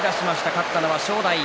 勝ったのは正代。